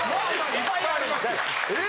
・いっぱいありますよ・・